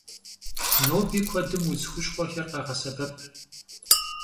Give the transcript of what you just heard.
Ноби куэдым удз хущхъуэхэр къагъэсэбэп.